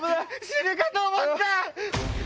死ぬかと思った！